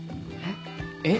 えっ。